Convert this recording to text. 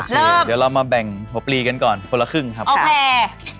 เดี๋ยวเรามาแบ่งหัวปลีกันก่อนคนละครึ่งครับโอเค